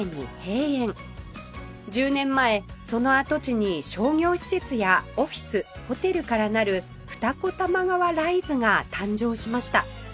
１０年前その跡地に商業施設やオフィスホテルからなる二子玉川ライズが誕生しました